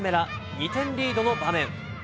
２点リードの場面。